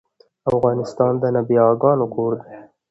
افغانستان د نابغه ګانو کور ده